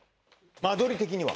間取り的には？